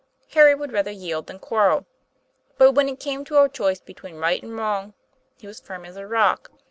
Harry would rather yield than quarrel. But when it came to a choice between right and wrong, he was firm as a rock.